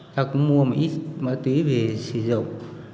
ta cũng mua một ít ma túy về sử dụng